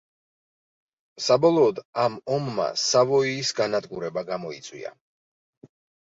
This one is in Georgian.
საბოლოოდ ამ ომმა სავოიის განადგურება გამოიწვია.